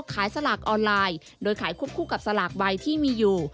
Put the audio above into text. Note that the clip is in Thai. สลากออนไลน์โดยขายควบคู่กับสลากใบที่มีอยู่